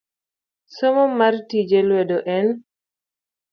Somo mar tije lwedo en